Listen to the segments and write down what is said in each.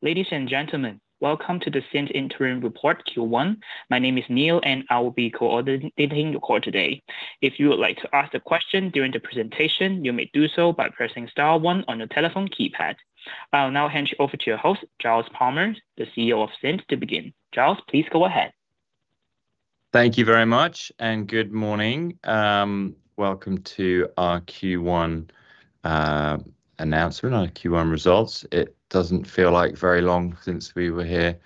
Ladies and gentlemen, welcome to the Cint interim report Q1. My name is Neil, and I will be coordinating the call today. If you would like to ask a question during the presentation, you may do so by pressing Star 1 on your telephone keypad. I'll now hand you over to your host, Giles Palmer, the CEO of Cint, to begin. Giles, please go ahead. Thank you very much, and good morning. Welcome to our Q1 announcement on Q1 results. It doesn't feel like very long since we were here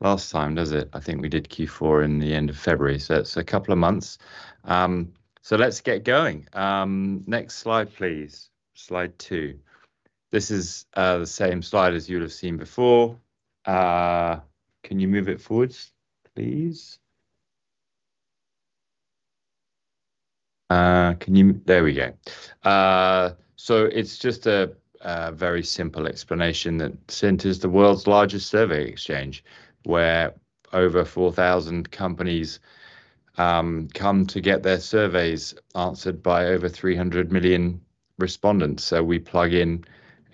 last time, does it? I think we did Q4 in the end of February, so it's a couple of months. So let's get going. Next slide, please. Slide 2. This is the same slide as you'll have seen before. Can you move it forward, please? Can you. There we go. So it's just a very simple explanation that Cint is the world's largest survey exchange, where over 4,000 companies come to get their surveys answered by over 300 million respondents. So we plug in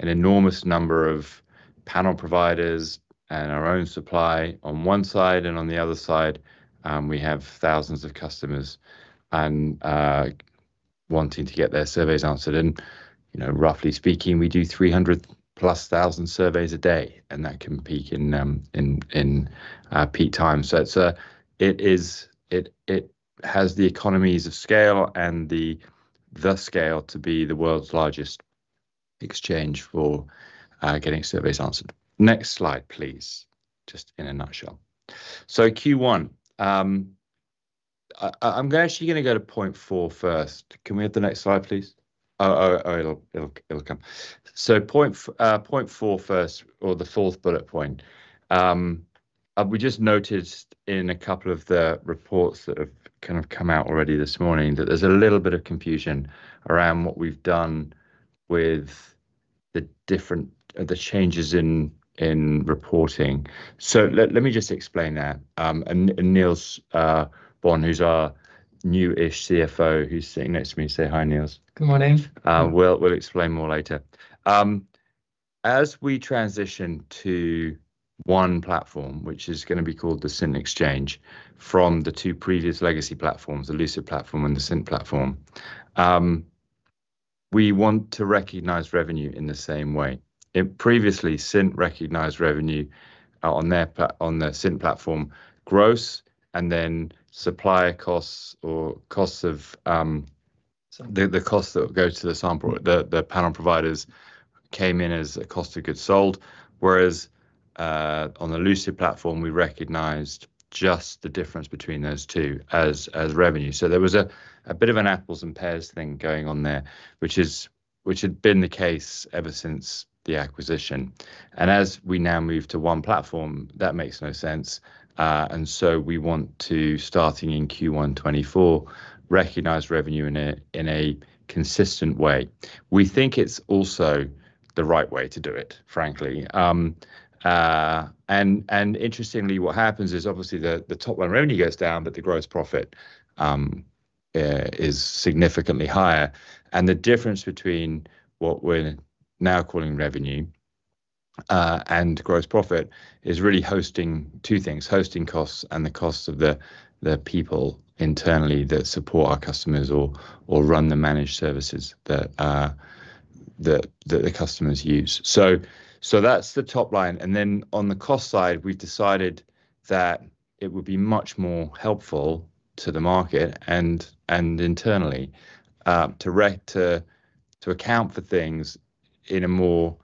an enormous number of panel providers and our own supply on one side, and on the other side, we have thousands of customers and wanting to get their surveys answered. You know, roughly speaking, we do 300,000+ surveys a day, and that can peak in peak time. So it's a—it is, it has the economies of scale and the scale to be the world's largest exchange for getting surveys answered. Next slide, please, just in a nutshell. So Q1, I'm actually going to go to point 4 first. Can we have the next slide, please? It'll come. So point 4 first, or the fourth bullet point. We just noticed in a couple of the reports that have kind of come out already this morning that there's a little bit of confusion around what we've done with the different—the changes in reporting. So let me just explain that. And Niels Boon, who's our new-ish CFO, who's sitting next to me, say hi, Niels. Good morning. We'll explain more later. As we transition to one platform, which is going to be called the Cint Exchange, from the two previous legacy platforms, the Lucid platform and the Cint platform, we want to recognize revenue in the same way. Previously, Cint recognized revenue on the Cint platform gross, and then supplier costs or costs of the costs that go to the sample or the panel providers came in as a cost of goods sold. Whereas, on the Lucid platform, we recognized just the difference between those two as revenue. So there was a bit of an apples and pears thing going on there, which had been the case ever since the acquisition. And as we now move to one platform, that makes no sense, and so we want to, starting in Q1 2024, recognize revenue in a consistent way. We think it's also the right way to do it, frankly. And interestingly, what happens is, obviously, the top line revenue goes down, but the gross profit is significantly higher. And the difference between what we're now calling revenue and gross profit is really hosting two things: hosting costs and the costs of the people internally that support our customers or run the managed services that the customers use. So that's the top line. And then on the cost side, we've decided that it would be much more helpful to the market and internally to account for things in a more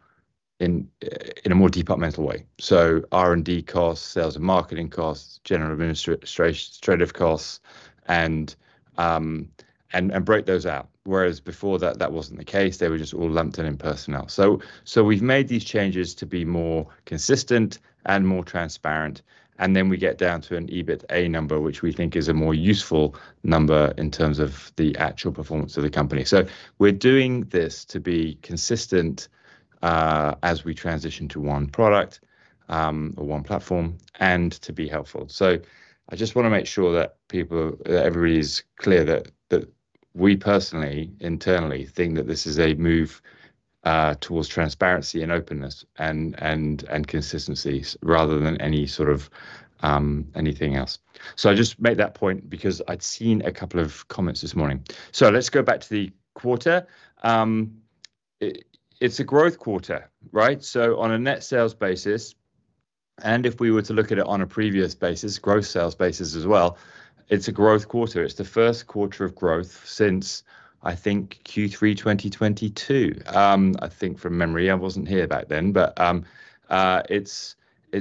departmental way. So R&D costs, sales and marketing costs, general administration, travel costs, and break those out. Whereas before that, that wasn't the case. They were just all lumped in personnel. So we've made these changes to be more consistent and more transparent, and then we get down to an EBITA number, which we think is a more useful number in terms of the actual performance of the company. So we're doing this to be consistent, as we transition to one product, or one platform, and to be helpful. So I just want to make sure that people—that everybody's clear that we personally, internally, think that this is a move towards transparency and openness and consistency rather than any sort of anything else. So I just make that point because I'd seen a couple of comments this morning. So let's go back to the quarter. It's a growth quarter, right? So on a net sales basis, and if we were to look at it on a previous basis, gross sales basis as well, it's a growth quarter. It's the first quarter of growth since, I think, Q3 2022. I think from memory, I wasn't here back then, but it's a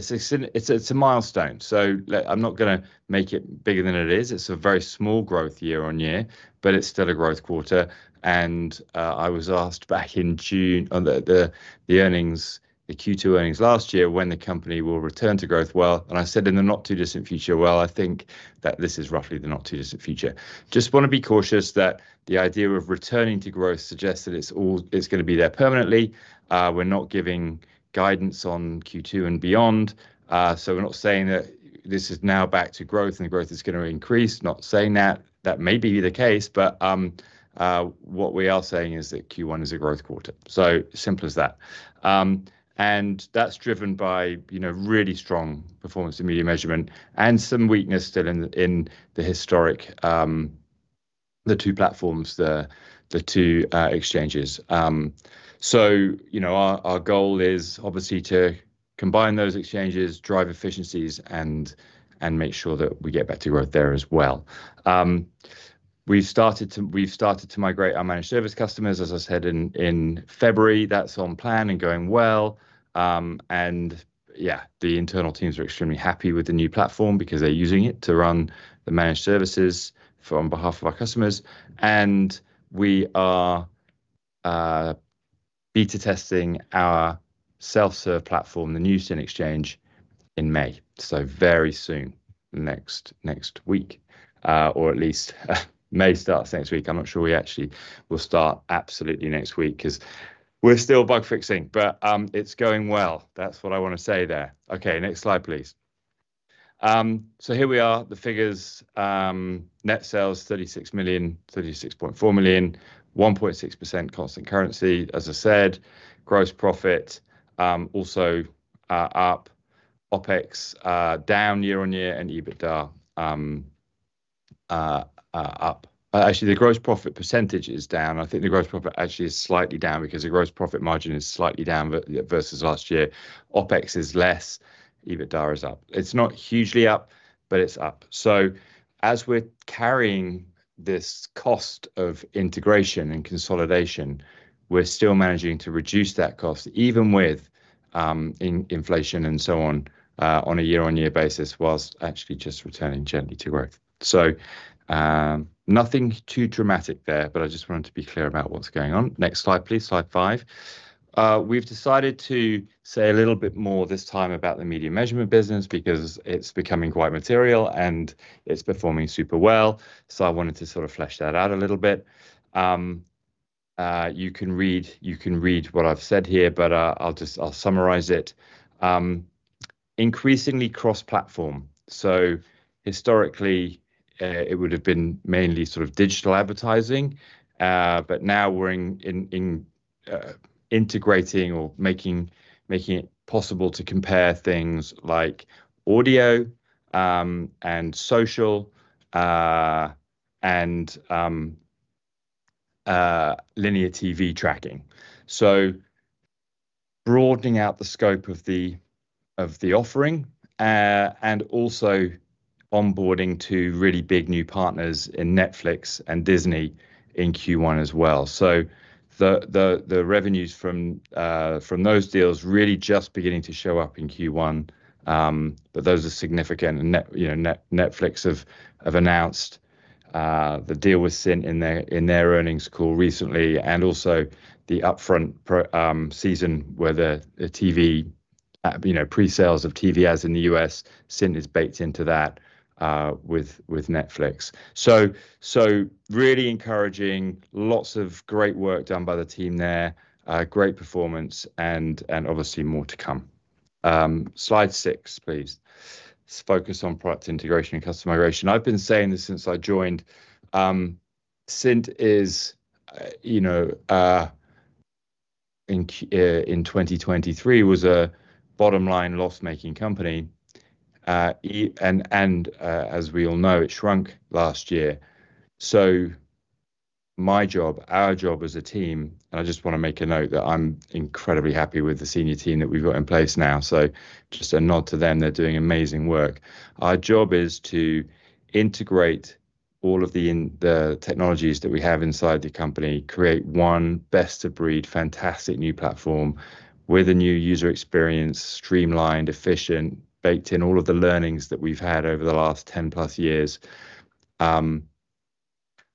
Cint, it's a milestone. So, I'm not going to make it bigger than it is. It's a very small growth year-over-year, but it's still a growth quarter. And, I was asked back in June on the earnings, the Q2 earnings last year, when the company will return to growth. Well, and I said in the not too distant future, well, I think that this is roughly the not too distant future. Just want to be cautious that the idea of returning to growth suggests that it's all, it's going to be there permanently. We're not giving guidance on Q2 and beyond. We're not saying that this is now back to growth and the growth is going to increase. Not saying that. That may be the case, but what we are saying is that Q1 is a growth quarter. So simple as that. That's driven by, you know, really strong performance in media measurement and some weakness still in the historic two platforms, the two exchanges. So, you know, our goal is obviously to combine those exchanges, drive efficiencies, and make sure that we get better growth there as well. We've started to migrate our managed service customers, as I said, in February. That's on plan and going well. And yeah, the internal teams are extremely happy with the new platform because they're using it to run the managed services on behalf of our customers. We are beta testing our self-serve platform, the new Cint Exchange, in May. So very soon, next, next week, or at least, May starts next week. I'm not sure we actually will start absolutely next week because we're still bug fixing, but it's going well. That's what I want to say there. Okay, next slide, please. So here we are, the figures. Net sales 36 million, 36.4 million, 1.6% constant currency, as I said. Gross profit, also, up. OPEX, down year-on-year, and EBITA, up. Actually, the gross profit percentage is down. I think the gross profit actually is slightly down because the gross profit margin is slightly down versus last year. OPEX is less. EBITA is up. It's not hugely up, but it's up. So as we're carrying this cost of integration and consolidation, we're still managing to reduce that cost even with inflation and so on, on a year-on-year basis whilst actually just returning gently to growth. So, nothing too dramatic there, but I just wanted to be clear about what's going on. Next slide, please. Slide 5. We've decided to say a little bit more this time about the media measurement business because it's becoming quite material and it's performing super well. So I wanted to sort of flesh that out a little bit. You can read what I've said here, but I'll just summarize it. Increasingly cross-platform. So historically, it would have been mainly sort of digital advertising, but now we're integrating or making it possible to compare things like audio, and social, and linear TV tracking. So broadening out the scope of the offering, and also onboarding to really big new partners in Netflix and Disney in Q1 as well. So the revenues from those deals really just beginning to show up in Q1, but those are significant. And Net—you know, Netflix have announced the deal with Cint in their earnings call recently and also the upfront season where the TV, you know, pre-sales of TV ads in the US, Cint is baked into that, with Netflix. So really encouraging lots of great work done by the team there, great performance, and obviously more to come. Slide 6, please. Focus on product integration and customer migration. I've been saying this since I joined. Cint is, you know, in 2023 was a bottom-line loss-making company. As we all know, it shrunk last year. So my job, our job as a team, and I just want to make a note that I'm incredibly happy with the senior team that we've got in place now. So just a nod to them. They're doing amazing work. Our job is to integrate all of the technologies that we have inside the company, create one best-of-breed, fantastic new platform with a new user experience, streamlined, efficient, baked in all of the learnings that we've had over the last 10+ years,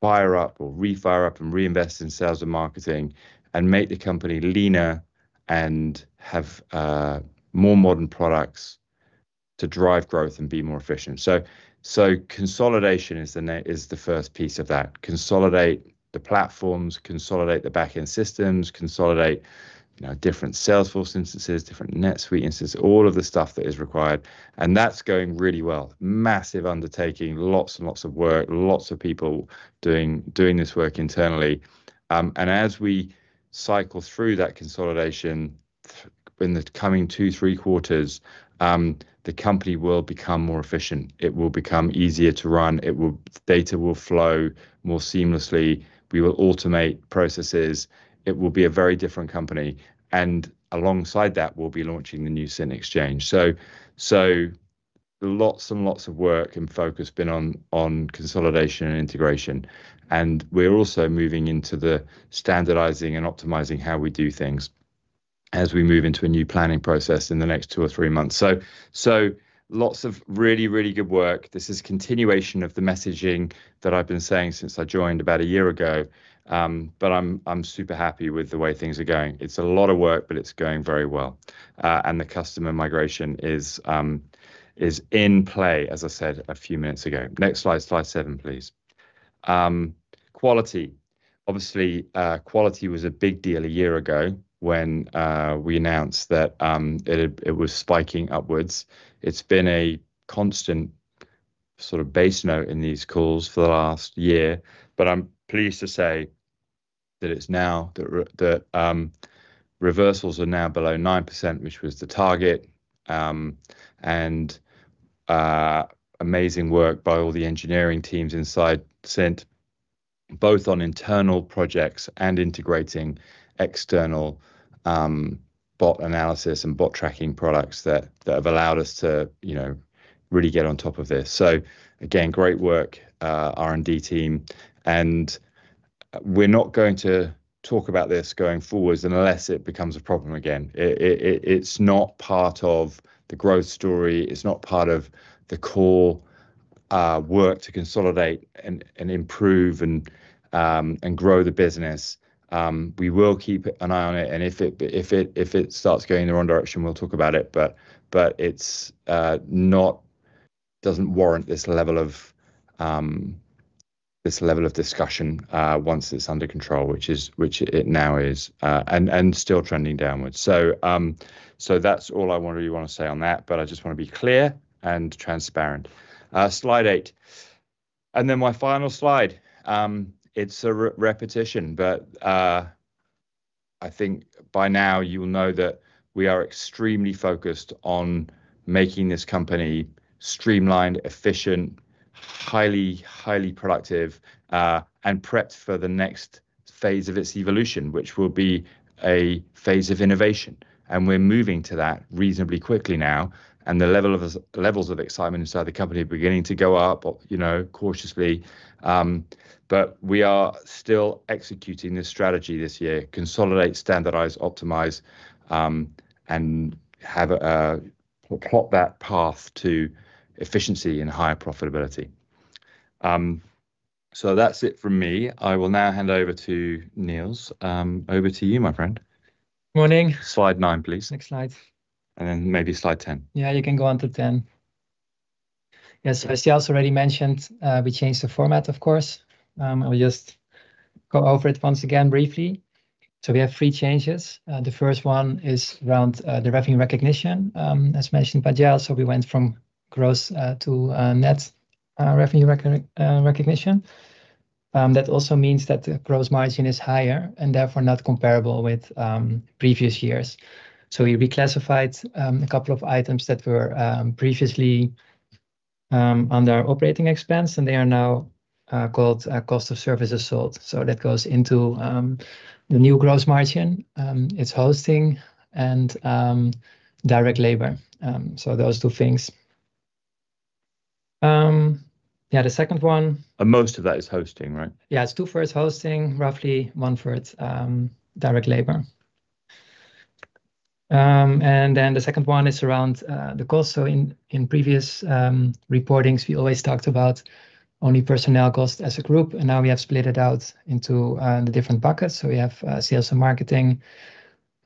fire up or re-fire up and reinvest in sales and marketing, and make the company leaner and have more modern products to drive growth and be more efficient. So consolidation is the first piece of that. Consolidate the platforms, consolidate the back-end systems, consolidate, you know, different Salesforce instances, different NetSuite instances, all of the stuff that is required. That's going really well. Massive undertaking, lots and lots of work, lots of people doing this work internally. As we cycle through that consolidation in the coming two-three quarters, the company will become more efficient. It will become easier to run. It will. Data will flow more seamlessly. We will automate processes. It will be a very different company. Alongside that, we'll be launching the new Cint Exchange. So, lots and lots of work and focus been on consolidation and integration. We're also moving into the standardizing and optimizing how we do things as we move into a new planning process in the next two-three months. So, lots of really, really good work. This is continuation of the messaging that I've been saying since I joined about a year ago, but I'm super happy with the way things are going. It's a lot of work, but it's going very well. The customer migration is in play, as I said a few minutes ago. Next slide, slide 7, please. Quality. Obviously, quality was a big deal a year ago when we announced that it was spiking upwards. It's been a constant sort of base note in these calls for the last year, but I'm pleased to say that reversals are now below 9%, which was the target. Amazing work by all the engineering teams inside Cint, both on internal projects and integrating external bot analysis and bot tracking products that have allowed us to, you know, really get on top of this. So again, great work, R&D team. We're not going to talk about this going forward unless it becomes a problem again. It's not part of the growth story. It's not part of the core work to consolidate and improve and grow the business. We will keep an eye on it. And if it starts going the wrong direction, we'll talk about it. But it doesn't warrant this level of discussion, once it's under control, which it now is, and still trending downwards. So that's all I wanted—you want to say on that, but I just want to be clear and transparent. Slide 8. And then my final slide. It's a repetition, but I think by now you will know that we are extremely focused on making this company streamlined, efficient, highly, highly productive, and prepped for the next phase of its evolution, which will be a phase of innovation. We're moving to that reasonably quickly now. The levels of excitement inside the company are beginning to go up, you know, cautiously. But we are still executing this strategy this year: consolidate, standardize, optimize, and have a plotted path to efficiency and higher profitability. So that's it from me. I will now hand over to Niels. Over to you, my friend. Morning. Slide 9, please. Next slide. Maybe slide 10. Yeah, you can go on to 10. Yeah, so as Giles already mentioned, we changed the format, of course. I'll just go over it once again briefly. So we have three changes. The first one is around the revenue recognition, as mentioned by Giles. So we went from gross to net revenue recognition. That also means that the gross margin is higher and therefore not comparable with previous years. So we reclassified a couple of items that were previously under operating expense, and they are now called cost of services sold. So that goes into the new gross margin. It's hosting and direct labor. So those two things. Yeah, the second one. Most of that is hosting, right? Yeah, it's two-thirds hosting, roughly one-third direct labor. Then the second one is around the cost. So in previous reportings, we always talked about only personnel cost as a group, and now we have split it out into the different buckets. So we have sales and marketing,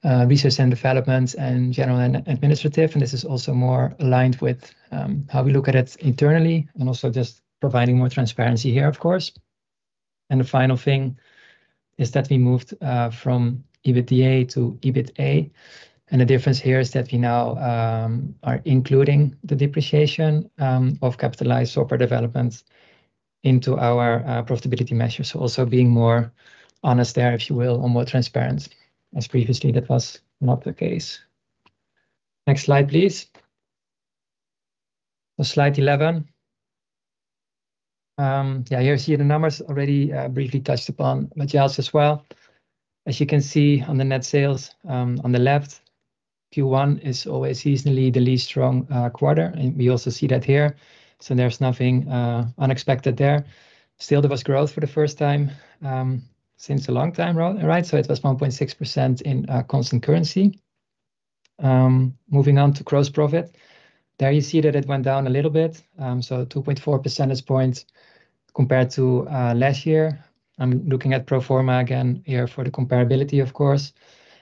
research and development, and general and administrative. And this is also more aligned with how we look at it internally and also just providing more transparency here, of course. And the final thing is that we moved from EBITDA to EBITA. And the difference here is that we now are including the depreciation of capitalized software development into our profitability measures. So also being more honest there, if you will, on more transparency, as previously that was not the case. Next slide, please. So Slide 11. Yeah, here you see the numbers already, briefly touched upon by Giles as well. As you can see on the net sales, on the left, Q1 is always seasonally the least strong quarter, and we also see that here. So there's nothing unexpected there. Still, there was growth for the first time since a long time, right? So it was 1.6% in constant currency. Moving on to gross profit. There you see that it went down a little bit, so 2.4 percentage points compared to last year. I'm looking at pro forma again here for the comparability, of course.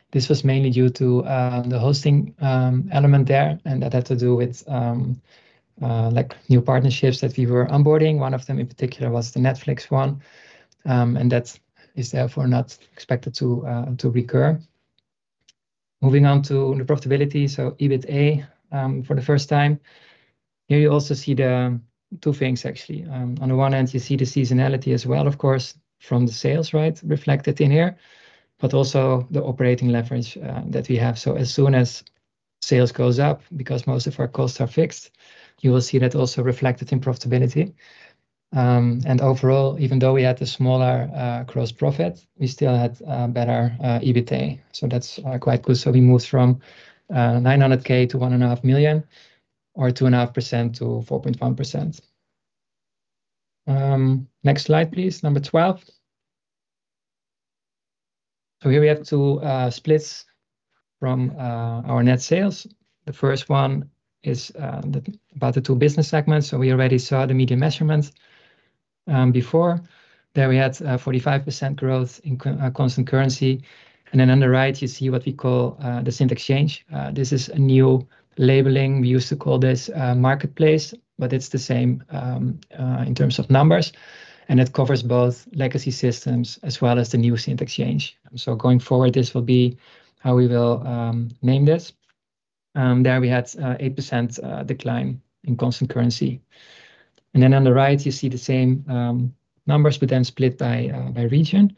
This was mainly due to the hosting element there, and that had to do with like new partnerships that we were onboarding. One of them in particular was the Netflix one, and that is therefore not expected to recur. Moving on to the profitability. So EBITA for the first time. Here you also see the two things, actually. On the one hand, you see the seasonality as well, of course, from the sales, right, reflected in here, but also the operating leverage, that we have. So as soon as sales goes up, because most of our costs are fixed, you will see that also reflected in profitability. Overall, even though we had a smaller, gross profit, we still had, better, EBITA. So that's, quite good. So we moved from, 900K to 1.5 million or 2.5% to 4.1%. Next slide, please. Number 12. So here we have two splits from, our net sales. The first one is, about the two business segments. So we already saw the media measurements, before. There we had, 45% growth in, constant currency. And then on the right, you see what we call, the Cint Exchange. This is a new labeling. We used to call this marketplace, but it's the same in terms of numbers. And it covers both legacy systems as well as the new Cint Exchange. So going forward, this will be how we will name this. There we had 8% decline in constant currency. And then on the right, you see the same numbers, but then split by region.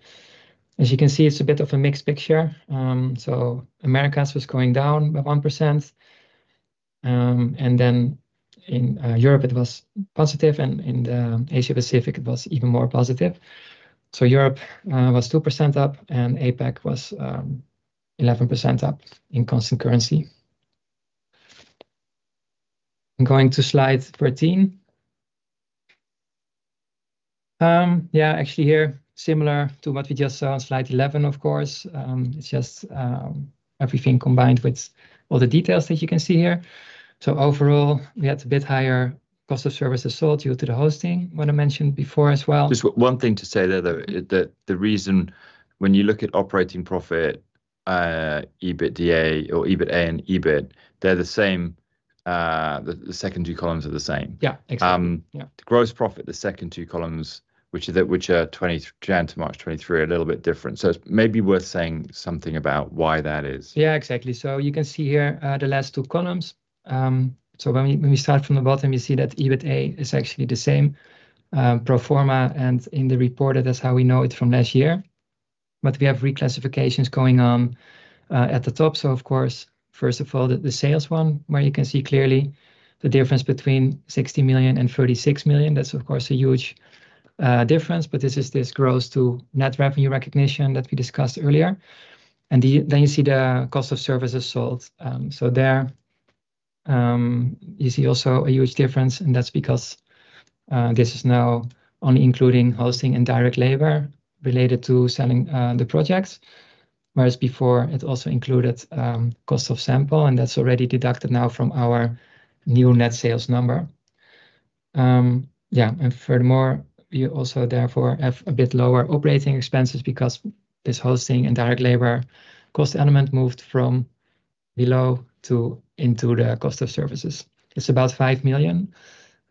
As you can see, it's a bit of a mixed picture. So Americas was going down by 1%. And then in Europe, it was positive, and in the Asia-Pacific, it was even more positive. So Europe was 2% up, and APAC was 11% up in constant currency. Going to slide 13. Yeah, actually here, similar to what we just saw on slide 11, of course. It's just everything combined with all the details that you can see here. Overall, we had a bit higher cost of services sold due to the hosting when I mentioned before as well. Just one thing to say there, though, that the reason when you look at operating profit, EBITA or EBITA and EBIT, they're the same. The second two columns are the same. Yeah, exactly. The gross profit, the second two columns, which are 2023, January to March 2023, are a little bit different. So it's maybe worth saying something about why that is. Yeah, exactly. So you can see here, the last two columns. So when we start from the bottom, you see that EBITA is actually the same, pro forma, and in the report, that's how we know it from last year. But we have reclassifications going on, at the top. So, of course, first of all, the sales one where you can see clearly the difference between 60 million and 36 million. That's, of course, a huge, difference, but this is the growth to net revenue recognition that we discussed earlier. And then you see the cost of services sold. So there, you see also a huge difference, and that's because, this is now only including hosting and direct labor related to selling, the projects, whereas before it also included, cost of sample, and that's already deducted now from our new net sales number. Yeah, and furthermore, we also therefore have a bit lower operating expenses because this hosting and direct labor cost element moved from below to into the cost of services. It's about 5 million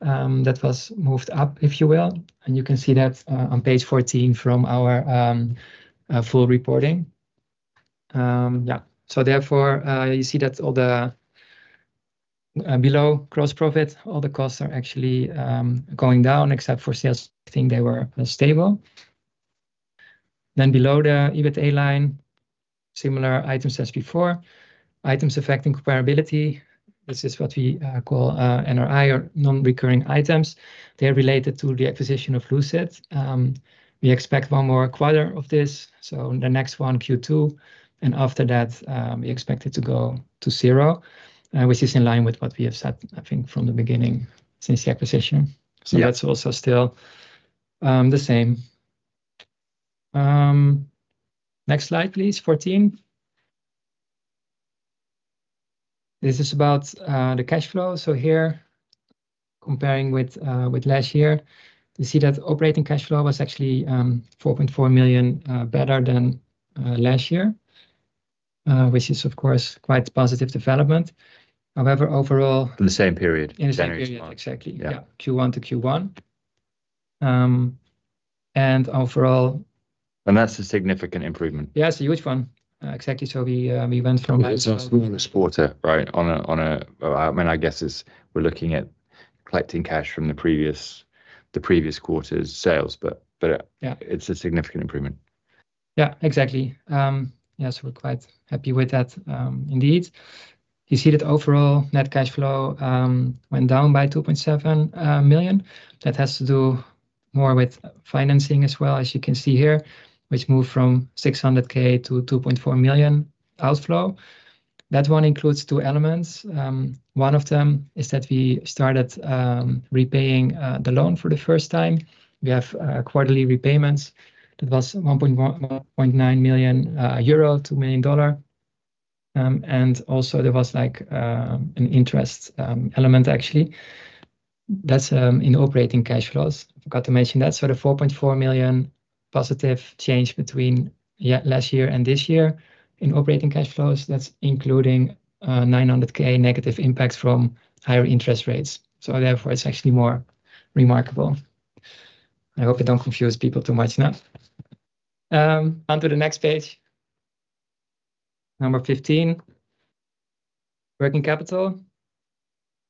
that was moved up, if you will. And you can see that on page 14 from our full reporting. Yeah, so therefore, you see that all the below gross profit, all the costs are actually going down except for sales, I think they were stable. Then below the EBITA line, similar items as before. Items affecting comparability. This is what we call NRI or non-recurring items. They are related to the acquisition of Lucid. We expect one more quarter of this. So the next one, Q2, and after that, we expect it to go to zero, which is in line with what we have set, I think, from the beginning since the acquisition. So that's also still the same. Next slide, please. 14. This is about the cash flow. So here, comparing with last year, you see that operating cash flow was actually 4.4 million better than last year, which is, of course, quite positive development. However, overall. The same period. In the same period, exactly. Yeah, Q1 to Q1, and overall. That's a significant improvement. Yeah, it's a huge one. Exactly. So we, we went from last year. Because it's also in the quarter, right? On a I mean, I guess we're looking at collecting cash from the previous quarter's sales, but it's a significant improvement. Yeah, exactly. Yeah, so we're quite happy with that, indeed. You see that overall net cash flow went down by 2.7 million. That has to do more with financing as well, as you can see here, which moved from 600,000 to 2.4 million outflow. That one includes two elements. One of them is that we started repaying the loan for the first time. We have quarterly repayments. That was 1.9 million euro, $2 million. And also there was like an interest element, actually. That's in operating cash flows. I forgot to mention that. So the 4.4 million positive change between yeah, last year and this year in operating cash flows, that's including 900,000 negative impact from higher interest rates. So therefore, it's actually more remarkable. I hope it don't confuse people too much now. Onto the next page. 15. Working capital.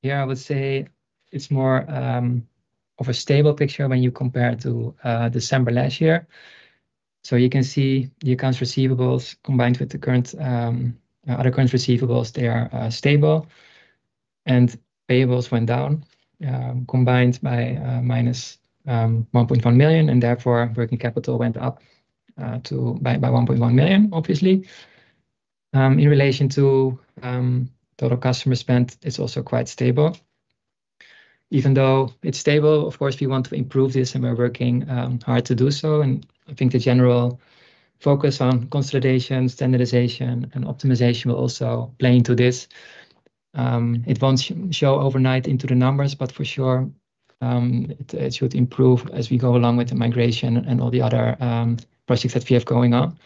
Here, I would say it's more of a stable picture when you compare to December last year. So you can see the accounts receivables combined with the current other current receivables, they are stable. And payables went down combined by -1.1 million, and therefore working capital went up by 1.1 million, obviously. In relation to total customer spend, it's also quite stable. Even though it's stable, of course, we want to improve this and we're working hard to do so. And I think the general focus on consolidation, standardization, and optimization will also play into this. It won't show overnight into the numbers, but for sure, it should improve as we go along with the migration and all the other projects that we have going on.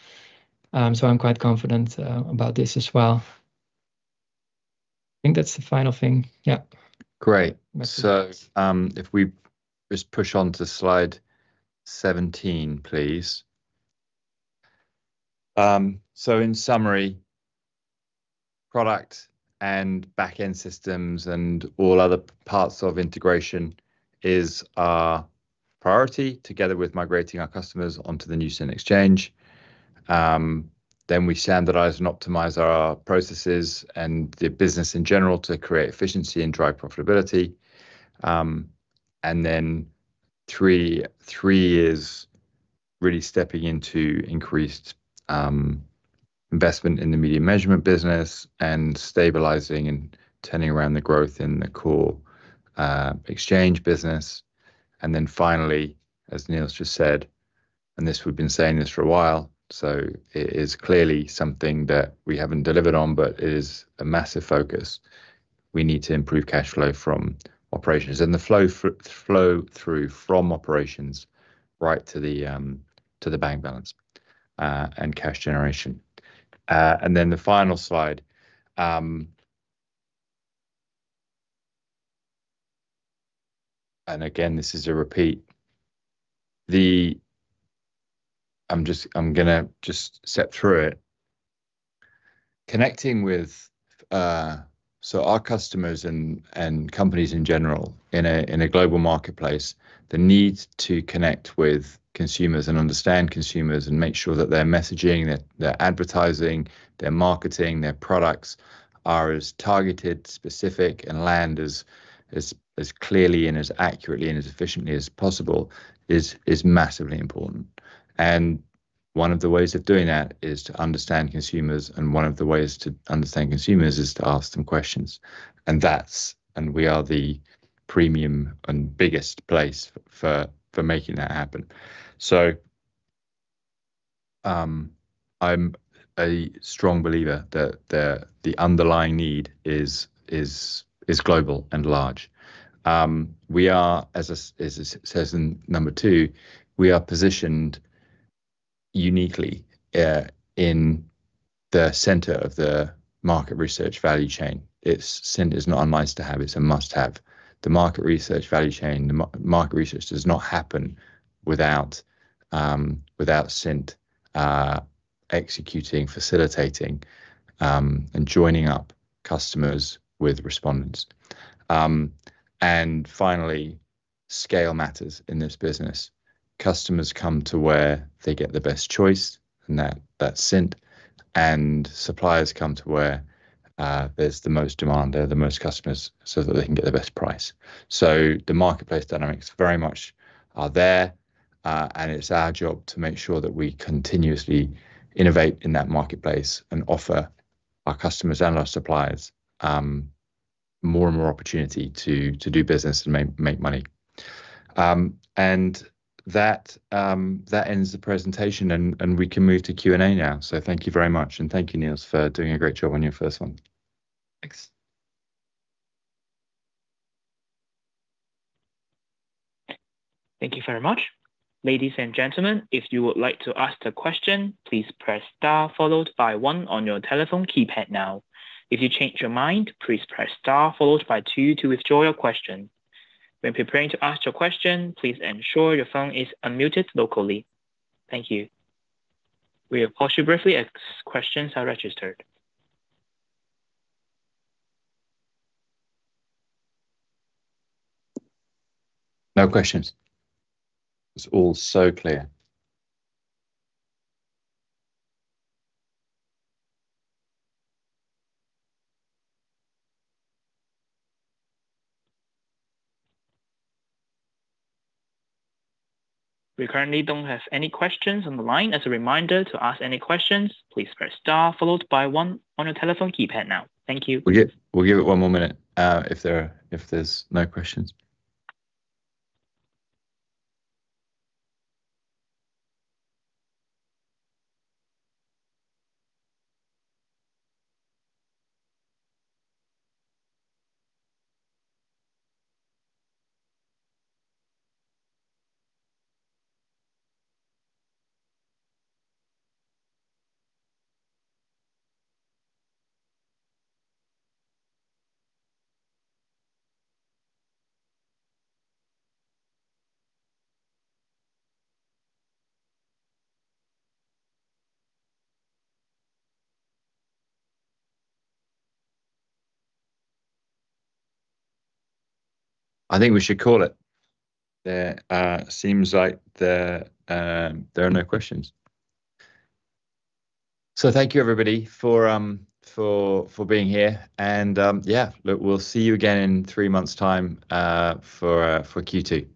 So I'm quite confident about this as well. I think that's the final thing. Yeah. Great. So, if we just push on to slide 17, please. So in summary, product and backend systems and all other parts of integration is our priority together with migrating our customers onto the new Cint Exchange. Then we standardize and optimize our processes and the business in general to create efficiency and drive profitability. And then three is really stepping into increased investment in the media measurement business and stabilizing and turning around the growth in the core Exchange business. And then finally, as Niels just said, and this we've been saying for a while, so it is clearly something that we haven't delivered on, but it is a massive focus. We need to improve cash flow from operations and the flow through from operations right to the bank balance, and cash generation. And then the final slide. And again, this is a repeat. I'm just going to step through it. Connecting with our customers and companies in general in a global marketplace, the need to connect with consumers and understand consumers and make sure that their messaging, their advertising, their marketing, their products are as targeted, specific, and land as clearly and as accurately and as efficiently as possible is massively important. And one of the ways of doing that is to understand consumers, and one of the ways to understand consumers is to ask them questions. And we are the premium and biggest place for making that happen. So, I'm a strong believer that the underlying need is global and large. We are, as it says in number two, positioned uniquely in the center of the market research value chain. It's Cint; it's not a nice to have. It's a must-have. The market research value chain, the market research does not happen without, without Cint, executing, facilitating, and joining up customers with respondents. And finally, scale matters in this business. Customers come to where they get the best choice, and that's Cint. And suppliers come to where, there's the most demand there, the most customers, so that they can get the best price. So the marketplace dynamics very much are there, and it's our job to make sure that we continuously innovate in that marketplace and offer our customers and our suppliers, more and more opportunity to to do business and make money. And that, that ends the presentation, and and we can move to Q&A now. So thank you very much, and thank you, Niels, for doing a great job on your first one. Thanks. Thank you very much. Ladies and gentlemen, if you would like to ask a question, please press star followed by one on your telephone keypad now. If you change your mind, please press star followed by two to withdraw your question. When preparing to ask your question, please ensure your phone is unmuted locally. Thank you. We will pause you briefly as questions are registered. No questions. It's all so clear. We currently don't have any questions on the line. As a reminder to ask any questions, please press star followed by one on your telephone keypad now. Thank you. We'll give it one more minute, if there's no questions. I think we should call it. There seems like there are no questions. So thank you, everybody, for being here. And, yeah, look, we'll see you again in three months' time, for Q2.